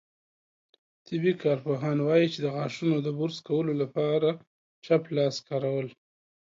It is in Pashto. طبي کارپوهان وايي، چې د غاښونو د برس کولو لپاره چپ لاس کارول